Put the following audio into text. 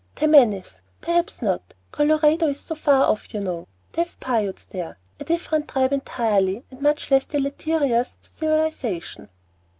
"Tammanies. Perhaps not; Colorado is so far off, you know. They have Piutes there, a different tribe entirely, and much less deleterious to civilization."